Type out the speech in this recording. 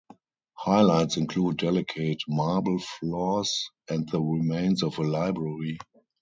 Highlights include delicate marble floors and the remains of a library.